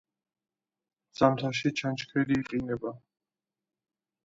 ზამთარში ჩანჩქერი იყინება.